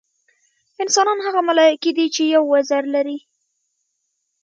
انسانان هغه ملایکې دي چې یو وزر لري.